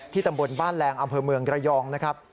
ตำบลบ้านแรงอำเภอเมืองระยองนะครับ